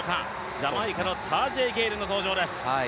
ジャマイカのタージェイ・ゲイルの登場です。